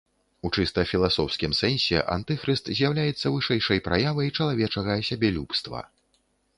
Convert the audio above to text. У чыста філасофскім сэнсе антыхрыст з'яўляецца вышэйшай праявай чалавечага сябелюбства.